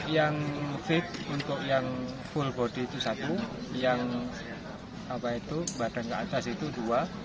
yang fit untuk yang full body itu satu yang badan ke atas itu dua